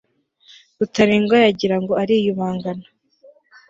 rutalindwa yagirango ariyubangana